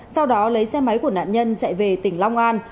sau đó lấy xe máy của nạn nhân chạy về tỉnh long an